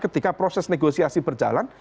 ketika proses negosiasi berjalan